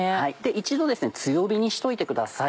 一度強火にしといてください。